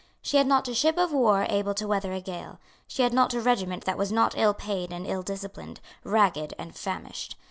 She had not a ship of war able to weather a gale. She had not a regiment that was not ill paid and ill disciplined, ragged and famished.